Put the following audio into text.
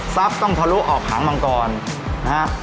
ต้องทะลุออกหางมังกรนะฮะ